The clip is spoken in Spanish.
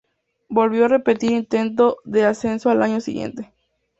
Volvió a repetir intento de ascenso al año siguiente.